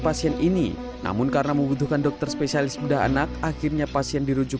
pasien ini namun karena membutuhkan dokter spesialis bedah anak akhirnya pasien dirujuk